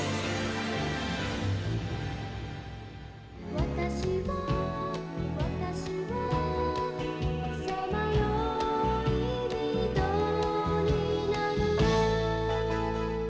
「私は私はさまよい人になる」